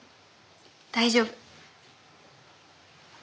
大丈夫。